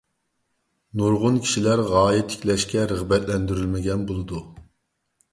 نۇرغۇن كىشىلەر غايە تىكلەشكە رىغبەتلەندۈرۈلمىگەن بولىدۇ.